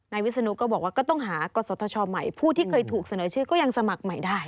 วิศนุก็บอกว่าก็ต้องหากศธชใหม่ผู้ที่เคยถูกเสนอชื่อก็ยังสมัครใหม่ได้